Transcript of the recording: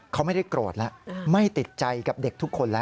เขาไม่ได้โกรธแล้วไม่ติดใจกับเด็กทุกคนแล้ว